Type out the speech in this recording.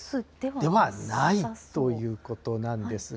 ではないということなんですが。